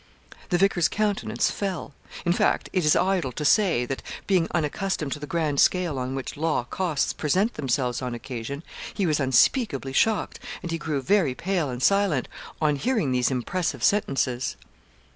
The vicar's countenance fell. In fact, it is idle to say that, being unaccustomed to the grand scale on which law costs present themselves on occasion, he was unspeakably shocked and he grew very pale and silent on hearing these impressive sentences.